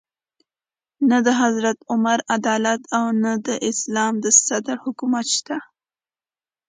نه د حضرت عمر عدالت او نه د اسلام د صدر حکومت شته.